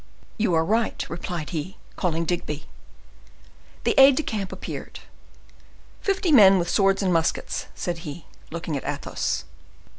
"You are right," replied he, calling Digby. The aid de camp appeared. "Fifty men with swords and muskets," said he, looking at Athos.